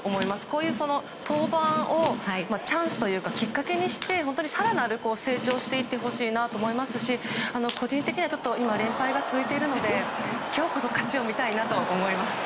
こういう登板をチャンスというかきっかけにして更に成長していってほしいと思いますし個人的には連敗が続いているので今日こそ勝ちを見たいなと思います。